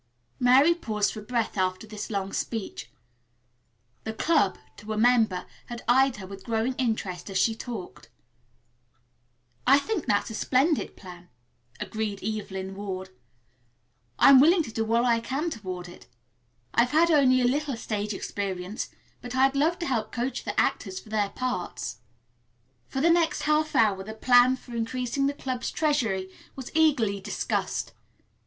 Mary paused for breath after this long speech. The club, to a member, had eyed her with growing interest as she talked. "I think that's a splendid plan," agreed Evelyn Ward. "I'm willing to do all I can toward it. I've had only a little stage experience, but I'd love to help coach the actors for their parts." For the next half hour the plan for increasing the club's treasury was eagerly discussed.